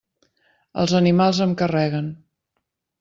Els animals em carreguen.